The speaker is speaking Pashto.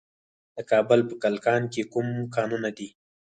د کابل په کلکان کې کوم کانونه دي؟